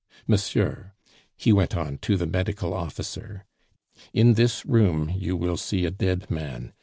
"Monsieur," he went on to the medical officer, "in this room you will see a dead man.